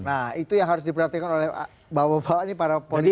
nah itu yang harus diperhatikan oleh pak bopo ini para politik